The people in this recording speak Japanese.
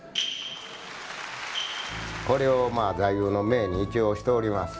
これを座右の銘に一応しております。